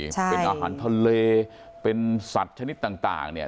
เป็นอาหารทะเลเป็นสัตว์ชนิดต่างต่างเนี่ย